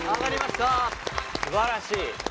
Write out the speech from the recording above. すばらしい。